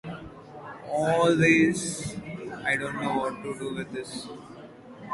At these temperatures, quantum aspects are generally unimportant.